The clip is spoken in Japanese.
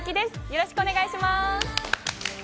よろしくお願いします。